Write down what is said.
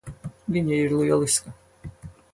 Viņa ir lieliska.